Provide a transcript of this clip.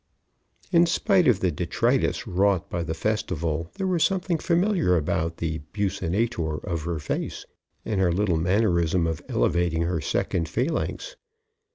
In spite of the detritus wrought by the festival, there was something familiar about the buccinator of her face and her little mannerism of elevating her second phalanx.